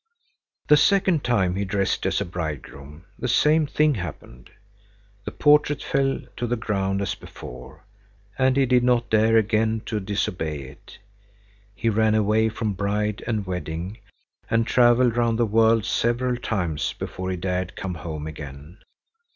The second time he dressed as a bridegroom the same thing happened. The portrait fell to the ground as before, and he did not dare again to disobey it. He ran away from bride and wedding and travelled round the world several times before he dared come home again.